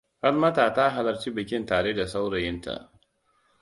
Falmata ta halarci bikin tare da saurayinta.